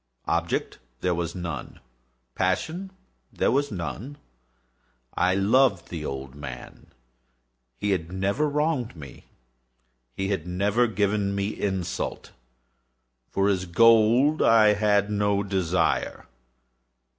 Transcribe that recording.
Object there was none. Passion there was none. I loved the old man. He had never wronged me. He had never given me insult. For his gold I had no desire.